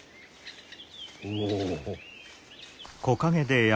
おお。